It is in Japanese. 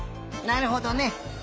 なるほどね！